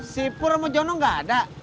si pur sama jono gak ada